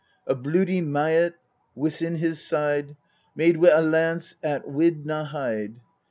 A bludy maet wis in his side, Made wi a lance 'at wid na hide.